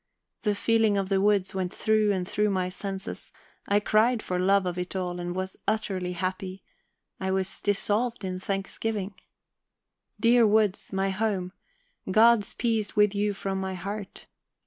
The feeling of the woods went through and through my senses; I cried for love of it all, and was utterly happy; I was dissolved in thanksgiving. Dear woods, my home, God's peace with you from my heart...